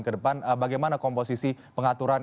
ke depan bagaimana komposisi pengaturan